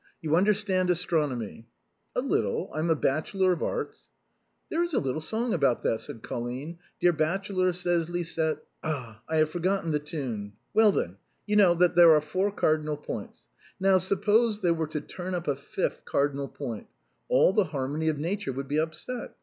You under stand astronomy?" " A little ; I'm a bachelor of arts." " There is a song about that," said Colline ;"* Dear bachelor, says Lisette '— I have forgotten the tune. Well, then, you know that there are four cardinal points. Now suppose there were to turn up a fifth cardinal point, all the harmony of Nature would be upset.